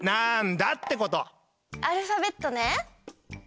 アルファベットね。